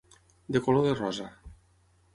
De color de rosa.